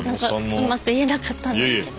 うまく言えなかったんですけど。